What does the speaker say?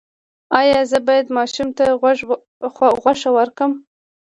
ایا زه باید ماشوم ته غوښه ورکړم؟